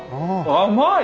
甘い！